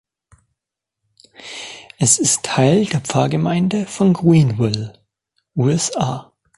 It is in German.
Es ist Teil der Pfarrgemeinde von Greenville, USA.